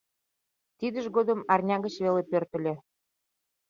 Тидыж годым арня гыч веле пӧртыльӧ.